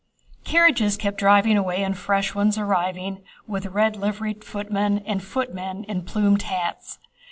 Carriages kept driving away and fresh ones arriving, with red liveried footmen and footmen in plumed hats.